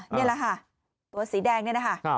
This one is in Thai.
นี่แหละค่ะตัวสีแดงนี่นะคะ